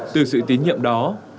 từ sự tín nhiệm đó